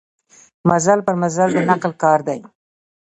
مزل پر مزل د نقل کار دی.